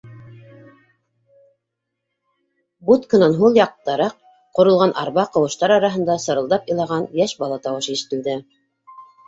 Будканан һул яҡтараҡ ҡоролған арба ҡыуыштар араһында сырылдап илаған йәш бала тауышы ишетелде.